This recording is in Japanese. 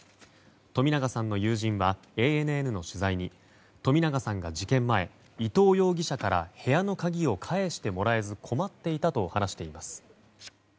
冨永さんの友人はＡＮＮの取材に冨永さんが事件前伊藤容疑者から部屋の鍵を返してもらえず困っていたと話しています。